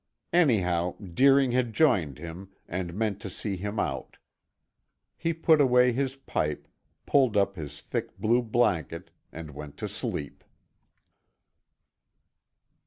Anyhow, Deering had joined him and meant to see him out. He put away his pipe, pulled up his thick blue blanket and went to sleep.